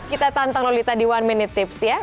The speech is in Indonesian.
kita tantang lolita di one minute tips ya